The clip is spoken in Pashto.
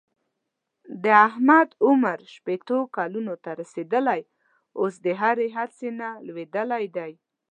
د احمد عمر شپېتو کلونو ته رسېدلی اوس د هرې هڅې نه لوېدلی دی.